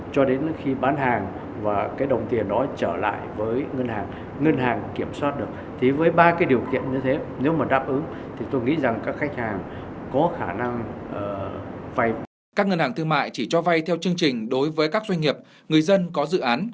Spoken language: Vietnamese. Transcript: các ngân hàng thương mại chỉ cho vay theo chương trình đối với các doanh nghiệp người dân có dự án